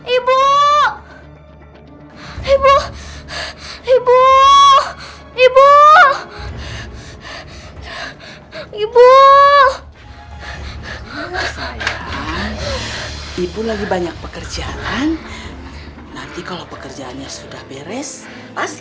ibu ibu saya ibu lagi banyak pekerjaan nanti kalau pekerjaannya sudah beres pasti